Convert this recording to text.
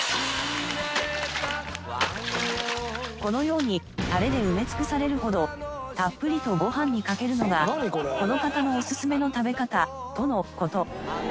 このようにタレで埋め尽くされるほどたっぷりとご飯にかけるのがこの方のオススメの食べ方との事。